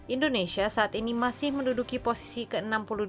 indonesia saat ini masih menduduki posisi ke enam puluh dua dan ke sepuluh